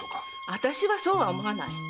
あたしはそうは思わない。